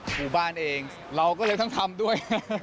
หมู่บ้านเองเราก็เลยต้องทำด้วย